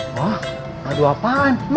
emang kenapa si leman